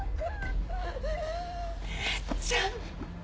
悦っちゃん。